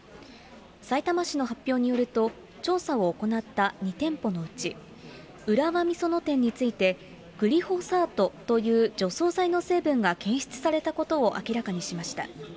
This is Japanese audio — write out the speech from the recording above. さいたま市の発表によると、調査を行った２店舗のうち、浦和美園店について、グリホサートという除草剤の成分が検出されたことを明らかにしました。